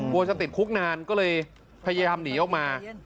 กลัวจะติดคุกนานก็เลยพยายามหนีออกมา